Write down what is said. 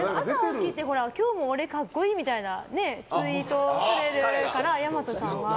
朝起きて今日も俺、格好いいみたいなツイートされるからやまとさんが。